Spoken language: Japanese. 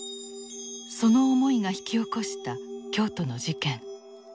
その思いが引き起こした京都の事件。